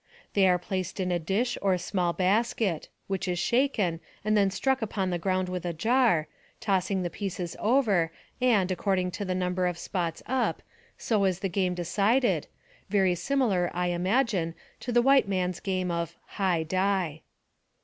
They are placed in a dish or small basket, which is shaken and then struck upon the ground with a jar, tossing the pieces over, and accord ing to the number of spots up, so is the game decided, very similar, I imagine, to the white man's game of " high die."